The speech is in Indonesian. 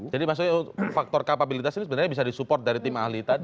jadi maksudnya faktor kapabilitas ini sebenarnya bisa disupport dari tim ahli tadi